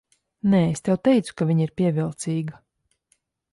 Nē, es tev teicu, ka viņa ir pievilcīga.